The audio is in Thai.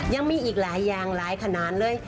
ยังมีอีกหลายอย่างหลายขนาดเลย